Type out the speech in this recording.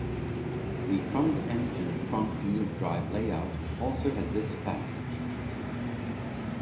The front-engine front-wheel-drive layout also has this advantage.